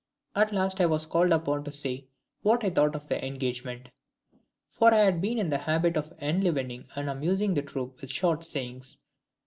At last I was called upon to say what I thought of the engagement; for I had been in the habit of enlivening and amusing the troop with short sayings.